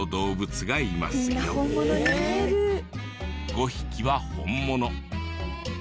５匹は本物。